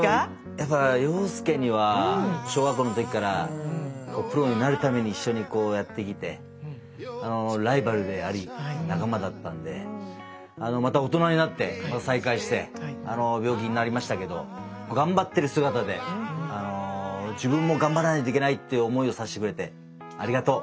やっぱ洋介には小学校の時からプロになるために一緒にこうやってきてあのライバルであり仲間だったんでまた大人になって再会してあの病気になりましたけど頑張ってる姿で自分も頑張らないといけないって思いをさせてくれてありがとう。